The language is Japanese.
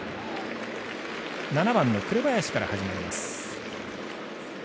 ７番の紅林から始まります。